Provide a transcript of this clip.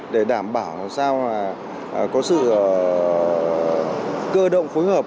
để đảm bảo làm sao có sự cơ động phối hợp